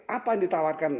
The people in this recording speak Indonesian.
apa yang ditawarkan